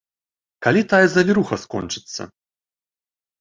Калі тая завіруха скончыцца?